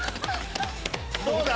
どうだ？